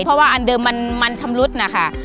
เพราะว่าอันเดิมมันชำรุดนะคะ